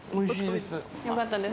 よかったです